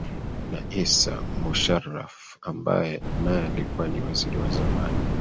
na essa musharaf ambae nae alikuwa ni waziri wa zamani